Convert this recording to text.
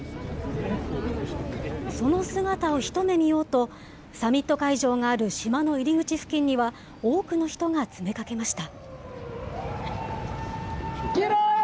その姿を一目見ようと、サミット会場がある島の入り口付近には、多くの人が詰めかけました。